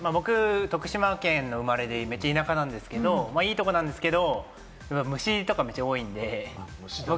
僕、福島県のめっちゃ田舎の生まれなんですけれども、めっちゃいいとこなんですけど、虫とかめっちゃ多いんで。